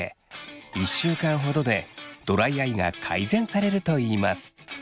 １週間ほどでドライアイが改善されるといいます。